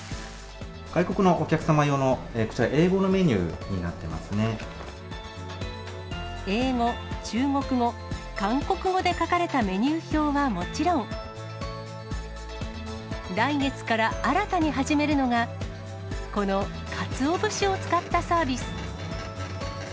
外国のお客様用のこちら、英語、中国語、韓国語で書かれたメニュー表はもちろん、来月から新たに始めるのが、このかつお節を使ったサービス。